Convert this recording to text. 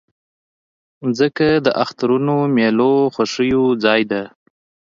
مځکه د اخترونو، میلو، خوښیو ځای ده.